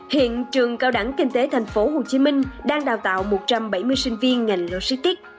hiện trường cao đẳng kinh tế tp hcm đang đào tạo một trăm bảy mươi sinh viên ngành logistics